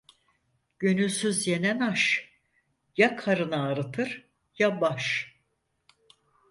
Gönülsüz yenen aş, ya karın ağrıtır ya baş.